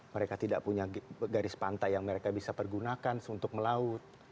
mereka tidak punya garis pantai yang mereka bisa pergunakan untuk melaut